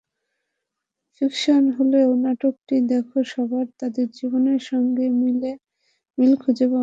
Fiction হলেও নাটকটি দেখে সবাই তাঁদের জীবনের সঙ্গে মিল খুঁজে পাবেন।